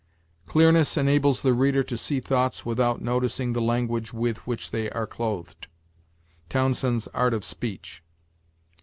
"Clearness ... enables the reader to see thoughts without noticing the language with which they are clothed." Townsend's "Art of Speech."